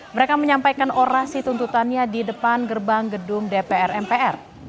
mereka menyampaikan orasi tuntutannya di depan gerbang gedung dpr mpr